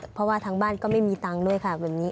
เพราะว่าทางบ้านก็ไม่มีตังค์ด้วยค่ะแบบนี้